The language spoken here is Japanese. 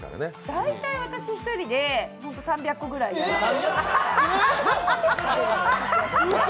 大体私１人で３００個ぐらい食べます。